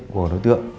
của đối tượng